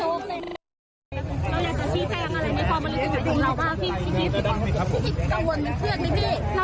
อืม